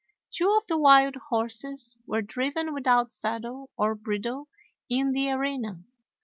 Two of the wild horses were driven without saddle or bridle in the arena.